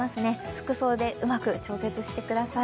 服装でうまく調節してください。